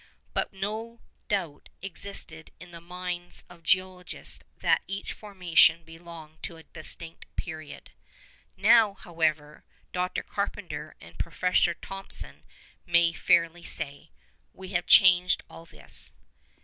But no doubt existed in the minds of geologists that each formation belonged to a distinct period. Now, however, Dr. Carpenter and Professor Thomson may fairly say, 'We have changed all this.